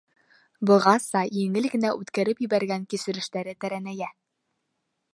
Бығаса еңел генә үткәреп ебәргән кисерештәре тәрәнәйә.